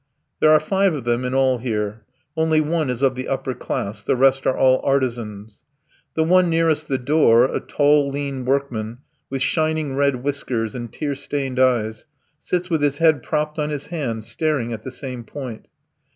There are five of them in all here. Only one is of the upper class, the rest are all artisans. The one nearest the door a tall, lean workman with shining red whiskers and tear stained eyes sits with his head propped on his hand, staring at the same point.